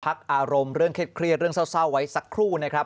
อารมณ์เรื่องเครียดเรื่องเศร้าไว้สักครู่นะครับ